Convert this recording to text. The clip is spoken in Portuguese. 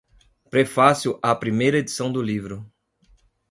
Prefácio à Primeira Edição do Livro